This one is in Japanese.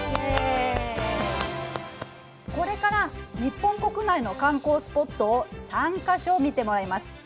これから日本国内の観光スポットを３か所見てもらいます。